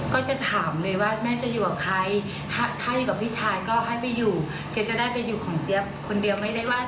ก็อยู่กับพี่ชายสนุกอย่างเงี้ยค่ะ